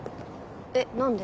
えっ何で？